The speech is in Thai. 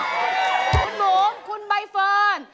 คุณหมูคุณใบเฟิร์น